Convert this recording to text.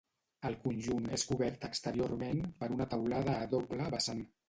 El conjunt és cobert exteriorment per una teulada a doble vessant.